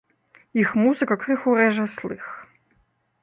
Іх музыка крыху рэжа слых.